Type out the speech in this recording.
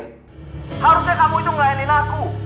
harusnya kamu itu ngelayanin aku